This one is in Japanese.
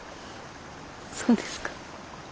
そうですか。